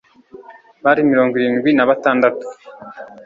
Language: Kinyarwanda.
bari mirongo irindwi na batandatu